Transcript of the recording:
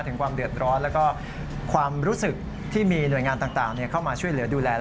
ถึงความเดือดร้อนแล้วก็ความรู้สึกที่มีหน่วยงานต่างเข้ามาช่วยเหลือดูแล